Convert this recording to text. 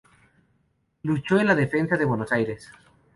Luchó en la Defensa de Buenos Aires.